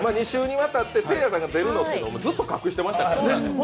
２週にわたってせいやさんが出るのをずっと隠してましたから。